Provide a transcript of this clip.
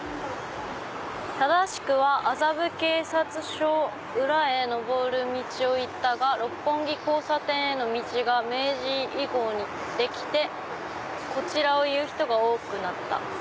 「正しくは麻布警察署裏へ上る道をいったが六本木交差点への道が明治以後にできてこちらをいう人が多くなった。